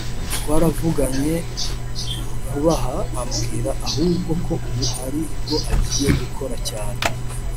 twaravuganye vub’aha ambwira ahubwo ko ubu ari bwo agiye gukora cyane